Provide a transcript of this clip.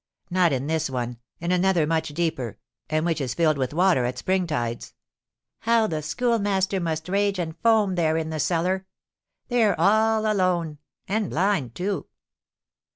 "Not in this one; in another much deeper, and which is filled with water at spring tides." "How the Schoolmaster must rage and foam there in the cellar! There all alone, and blind, too!"